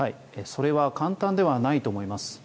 それは簡単ではないと思います。